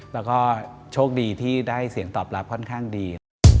แล้วก็โชคดีที่ได้เสียงตอบรับค่อนข้างดีครับ